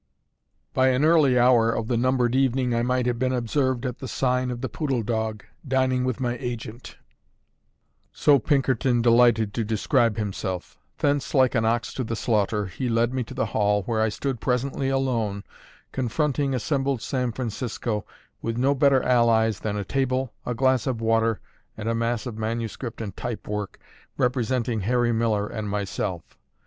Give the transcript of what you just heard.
By an early hour of the numbered evening I might have been observed at the sign of the Poodle Dog, dining with my agent: so Pinkerton delighted to describe himself. Thence, like an ox to the slaughter, he led me to the hall, where I stood presently alone, confronting assembled San Francisco, with no better allies than a table, a glass of water, and a mass of manuscript and typework, representing Harry Miller and myself.